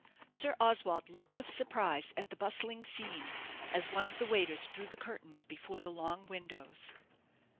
Sir Oswald looked with surprise at the bustling scene, as one of the waiters drew the curtains before the long windows.